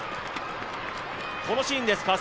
このシーンです。